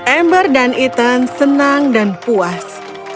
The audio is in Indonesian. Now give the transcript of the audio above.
ember dan ethan senang dan puas